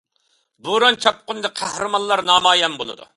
بوران- چاپقۇندا قەھرىمانلار نامايان بولىدۇ.